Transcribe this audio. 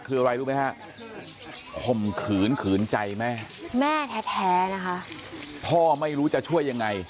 คืออะไรรู้ไหมฮะข่มขืนขืนใจแม่แม่แท้นะคะพ่อไม่รู้จะช่วยยังไง